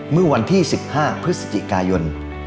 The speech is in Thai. เมื่อวันที่๑๕พฤศจิกายน